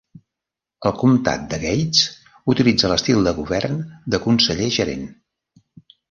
El comtat de Gates utilitza l'estil de govern de Conseller-Gerent.